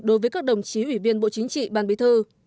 đối với các đồng chí ủy viên bộ chính trị ban bí thư